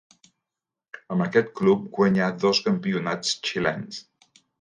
Amb aquest club guanyà dos campionats xilens.